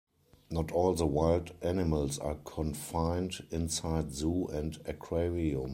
Not all the wild animals are confined inside Zoo and Aquarium.